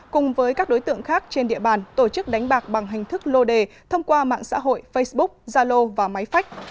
cùng với các đối tượng khác trên địa bàn tổ chức đánh bạc bằng hình thức lô đề thông qua mạng xã hội facebook zalo và máy phách